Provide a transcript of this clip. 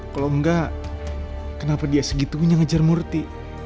kalau enggak kenapa dia segitunya ngejar murti